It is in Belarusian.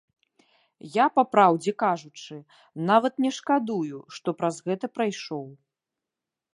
Я, папраўдзе кажучы, нават не шкадую, што праз гэта прайшоў.